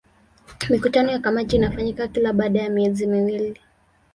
Mikutano ya kamati inafanyika kila baada ya miezi miwili